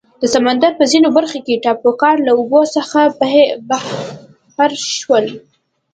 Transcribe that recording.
د سمندر په ځینو برخو کې ټاپوګان له اوبو څخه بهر شول.